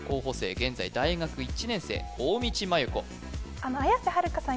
現在大学１年生大道麻優子綾瀬はるかさん